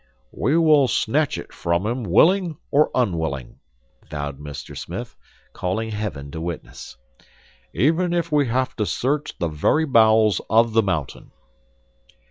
"We will snatch it from him, willing or unwilling," vowed Mr. Smith, calling Heaven to witness. "Even if we have to search the very bowels of the mountain."